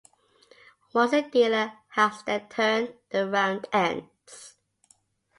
Once the dealer has had their turn, the round ends.